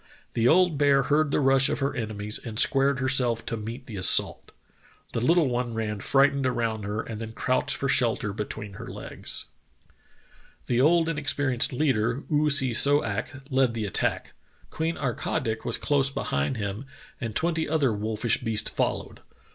The old bear heard the rush of her enemies and squared herself to meet the assault. The little one ran fright ened around her and then crouched for shelter between her legs. Sonntag's Fatal Sledge Journey i6i The old and experienced leader, Oosi so ak, led the attack. Queen Ar ka dik was close beside him, and twenty other wolfish beasts followed.